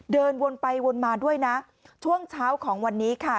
เดินวนไปวนมาด้วยนะช่วงเช้าของวันนี้ค่ะ